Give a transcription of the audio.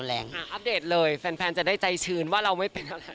อัปเดตเลยแฟนจะได้ใจชื้นว่าเราไม่เป็นอะไร